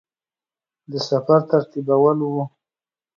د سفر ترتیبول وه.